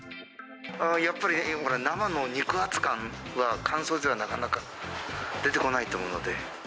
やっぱり生の肉厚感は、乾燥ではなかなか出てこないと思うので。